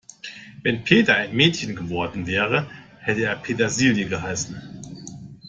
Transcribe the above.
Wenn Peter ein Mädchen geworden wäre, hätte er Petersilie geheißen.